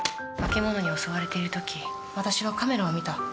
化け物に襲われてる時私は、カメラを見た。